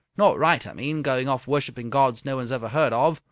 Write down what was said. Not right, I mean, going off worshipping gods no one has ever heard of!